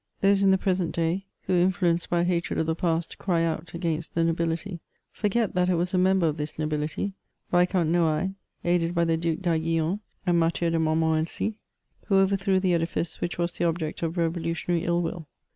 Those in the present day, who, influenced by a hatred of the past, cry out against the nobility, forget that it was a member of this nobility, Viscount Noailles, aided by the Due d'Aiguilion and Mathieu de Montmorency, who overthrew the edifice which was the object of revolutionary ill will.